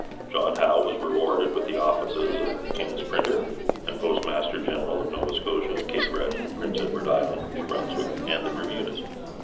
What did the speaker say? John Howe was rewarded with the offices of King's Printer, and Postmaster General of Nova Scotia, Cape Breton, Prince Edward Island, New Brunswick, and the Bermudas.